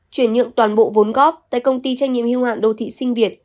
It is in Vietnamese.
chuyển nhượng toàn bộ vốn góp tại công ty trách nhiệm hưu hạn đô thị sinh việt